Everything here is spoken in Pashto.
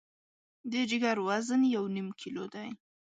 د جګر وزن یو نیم کیلو دی.